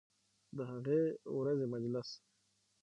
د هغې ورځې مجلس